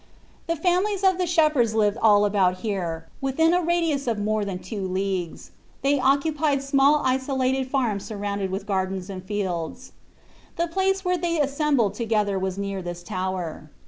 The families of the shepherds lived all about here within a radius of more than two leagues ; they occupied small isolated farms surrounded with gardens and fields. The place where they assembled to gether was near this tower.